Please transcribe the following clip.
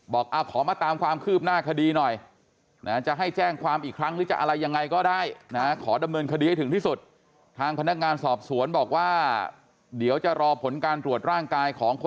บอกอ้าวขอมาตามความคือบหน้าคดีหน่อย